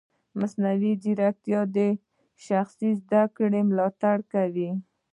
مصنوعي ځیرکتیا د شخصي زده کړې ملاتړ کوي.